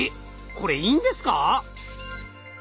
これいいんですか？